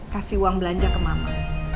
kasih uang belanja ke mama